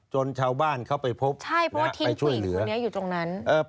จนชาวบ้านเข้าไปพบและไปช่วยเหลือใช่เพราะว่าทิ้งคุณอีกคุณเนี่ยอยู่ตรงนั้น